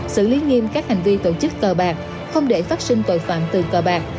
xử lý nghiêm các hành vi tổ chức cờ bạc không để phát sinh tội phạm từ cờ bạc